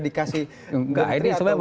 dikasih enggak ini sebenarnya